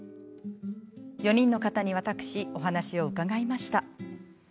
４人の方に私、お話を伺いました。